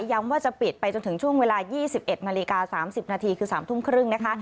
พยายามว่าจะปิดไปจนถึงช่วงเวลายี่สิบเอ็ดนาฬิกาสามสิบนาทีคือสามทุ่มครึ่งนะคะ